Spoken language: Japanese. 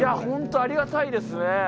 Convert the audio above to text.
本当ありがたいですね。